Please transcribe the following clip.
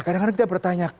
kadang kadang kita bertanya